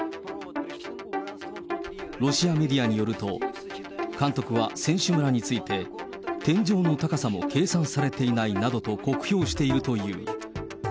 ロシアメディアによると、監督は選手村について、天井の高さも計算されていないなどと酷評しているという。